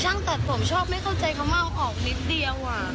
ช่างตัดผมชอบไม่เข้าใจคำว่าออกนิดเดียวอ่ะ